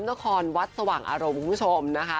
นครวัดสว่างอารมณ์คุณผู้ชมนะคะ